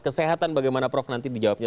kesehatan bagaimana prof nanti dijawabnya